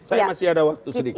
saya masih ada waktu sedikit